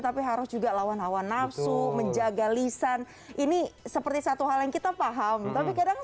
tapi harus juga lawan hawa nafsu menjaga lisan ini seperti satu hal yang kita paham tapi kadang